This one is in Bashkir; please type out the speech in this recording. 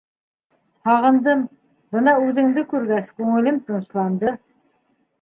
- Һағындым, бына үҙеңде күргәс, күңелем тынысланды.